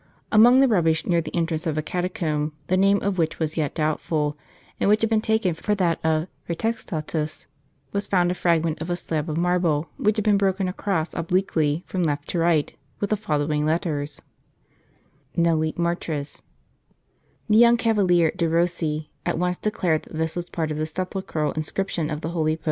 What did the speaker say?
Among the rubbish near the entrance of a catacomb, the name of which was yet doubtful, and which had been taken for that of Prastextatus, was found a fragment of a slab of marble which had been broken across 'obliquely, from left to right, with the following letters : I The young Cavalier de Rossi at once declared that this was part of the sepulchral inscription of the holy Pope Corne * S.